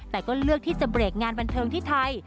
แต่ก็เลือกที่จะเบรกงานบันเทิงที่ไทย